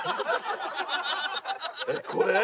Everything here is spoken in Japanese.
えっこれ？